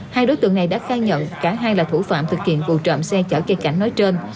hai đối tượng này đã khai nhận cả hai là thủ phạm thực hiện vụ trộm xe chở cây cảnh nói trên